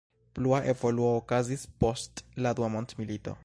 Plua evoluo okazis post la dua mondmilito.